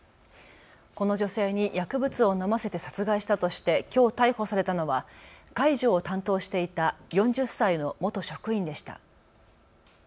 この女性に薬物を飲ませて殺害したとしてきょう逮捕されたのは介助を担当していた４０歳の元職員でした。